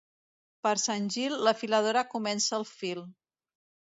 Per Sant Gil la filadora comença el fil.